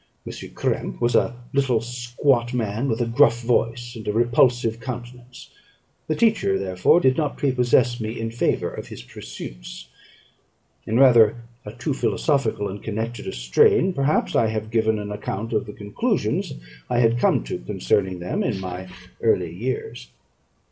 M. Krempe was a little squat man, with a gruff voice and a repulsive countenance; the teacher, therefore, did not prepossess me in favour of his pursuits. In rather a too philosophical and connected a strain, perhaps, I have given an account of the conclusions I had come to concerning them in my early years.